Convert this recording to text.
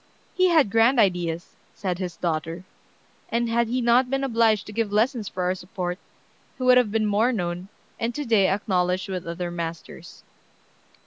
"He had grand ideas," said his daughter, "and had he not been obliged to give lessons for our support, he would have been more known, and to day acknowledged with other masters."